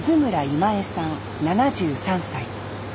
今衛さん７３歳。